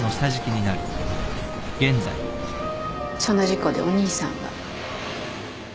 その事故でお兄さんは。